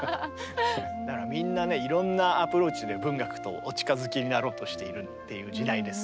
みんなねいろんなアプローチで文学とお近づきになろうとしているっていう時代です